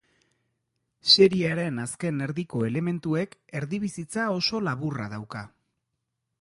Seriearen azken erdiko elementuek erdibizitza oso laburra dauka.